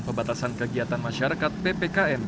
pebatasan kegiatan masyarakat ppkm